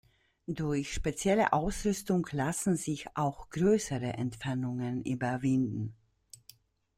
Durch spezielle Ausrüstung lassen sich auch größere Entfernungen überwinden.